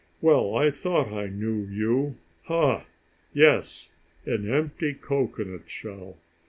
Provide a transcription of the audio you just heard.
Well, I thought I knew you. Ha! Yes. An empty cocoanut shell!